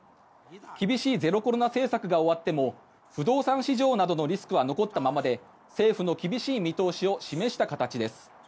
厳しいゼロコロナ政策が終わっても不動産市場などのリスクは残ったままで政府の厳しい見通しを示した形です。